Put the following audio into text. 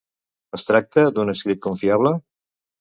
Es tracta d'un escrit confiable?